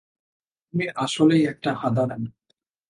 তুই আসলেই একটা হাঁদারাম।